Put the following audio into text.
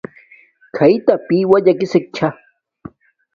کھیتاپݵ وجہ کسک چھا